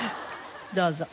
どうぞ。